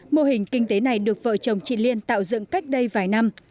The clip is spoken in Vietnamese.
mô hình kinh tế này được vợ chồng chị liên tạo dựng cách đây vài năm